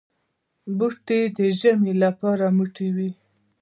بوټونه د ژمي لپاره موټي وي.